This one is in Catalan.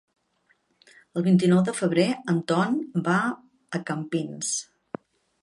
El vint-i-nou de febrer en Ton va a Campins.